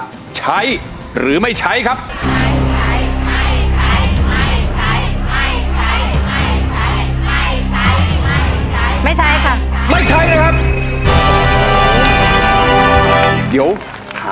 มีความรู้สึกว่ามีความรู้สึกว่ามีความรู้สึกว่า